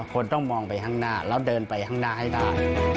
คนต้องมองไปข้างหน้าแล้วเดินไปข้างหน้าให้ได้